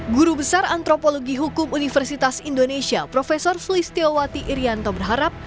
guru besar antropologi hukum universitas indonesia prof flistio wati irianto berharap